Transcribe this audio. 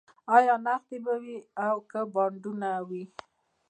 ایا نغدې به وي او که به بانډونه وي